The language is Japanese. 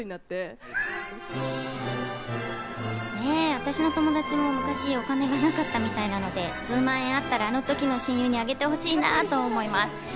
私の友達も昔、お金がなかったみたいなので、数万円あったらあの時の親友にあげてほしいなと思います。